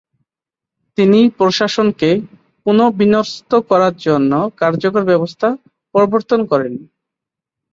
তিনি প্রশাসনকে পুনর্বিন্যস্ত করার জন্য কার্যকর ব্যবস্থা প্রবর্তন করেন।